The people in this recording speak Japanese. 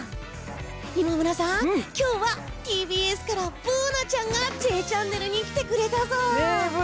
今村さん、今日はＴＢＳからブーナちゃんが「Ｊチャンネル」に来てくれたぞ！